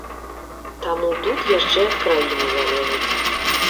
Таму тут яшчэ ад краіны залежыць.